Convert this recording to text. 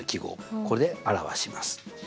これで表します。